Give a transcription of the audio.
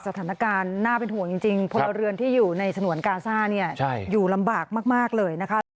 สถานการณ์น่าเป็นห่วงจริงพลเรือนที่อยู่ในฉนวนกาซ่าเนี่ยอยู่ลำบากมากเลยนะคะ